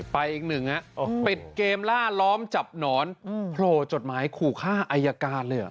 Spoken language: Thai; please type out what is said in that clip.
ไปอีกหนึ่งฮะปิดเกมล่าล้อมจับหนอนโผล่จดหมายขู่ฆ่าอายการเลย